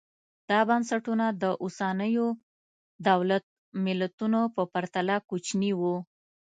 دا بنسټونه د اوسنیو دولت ملتونو په پرتله کوچني وو